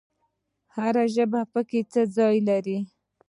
هر ژبه پکې څه ځای لري؟